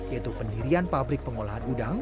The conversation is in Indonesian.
yaitu pendirian pabrik pengolahan udang